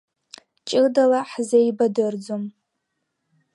Ҷыдала ҳзеибадырӡом.